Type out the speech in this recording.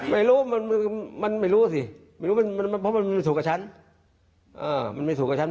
ไม่รู้มันไม่รู้สิเพราะมันไม่สูงกับฉัน